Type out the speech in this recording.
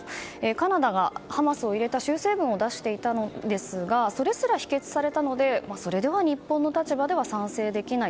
カナダがハマスを入れた修正文を出していたんですがそれすら否決されたのでそれでは日本の立場では賛成できない。